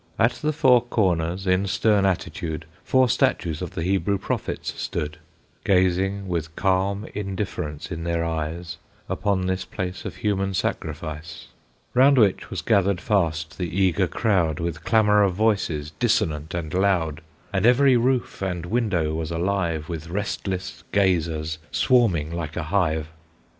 At the four corners, in stern attitude, Four statues of the Hebrew Prophets stood, Gazing with calm indifference in their eyes Upon this place of human sacrifice, Round which was gathering fast the eager crowd, With clamor of voices dissonant and loud, And every roof and window was alive With restless gazers, swarming like a hive.